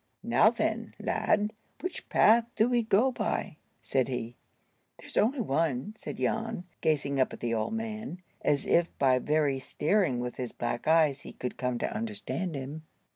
"Now then, lad, which path do we go by?" said he. "There's only one," said Jan, gazing up at the old man, as if by very staring with his black eyes he could come to understand him.